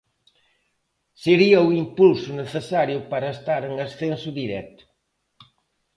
Sería o impulso necesario para estar en ascenso directo.